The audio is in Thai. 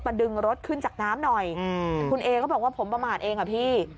ดึงรถขึ้นจากน้ำหน่อยคุณเอก็บอกว่าผมประมาทเองอ่ะพี่